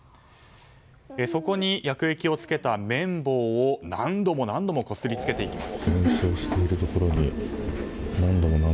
そこに薬液を付けた綿棒を何度も何度もこすりつけていきます。